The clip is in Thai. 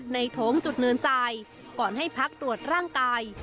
โถงจุดเนินจ่ายก่อนให้พักตรวจร่างกาย